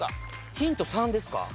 ヒント３ですか？